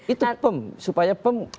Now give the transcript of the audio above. itu pem supaya pem